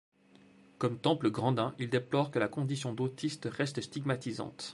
Comme Temple Grandin, il déplore que la condition d'autiste reste stigmatisante.